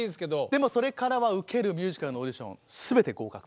でもそれからは受けるミュージカルのオーディション全て合格。